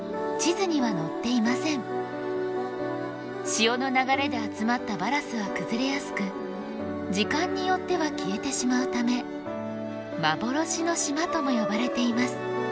潮の流れで集まったバラスは崩れやすく時間によっては消えてしまうため幻の島とも呼ばれています。